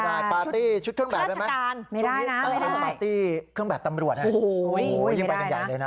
ปาตี้ชุดเครื่องแบบได้ไหมแต้มรวดใช่ไหมโอ้โหยังเป็นการใหญ่เลยนะ